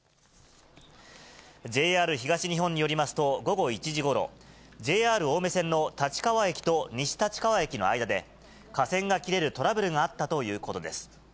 ＪＲ東日本によりますと、午後１時ごろ、ＪＲ青梅線の立川駅と西立川駅の間で、架線が切れるトラブルがあったということです。